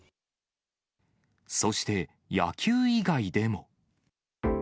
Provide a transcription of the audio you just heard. そして野球以外でも。